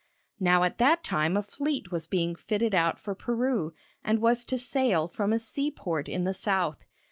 Now at that time a fleet was being fitted out for Peru, and was to sail from a seaport in the South.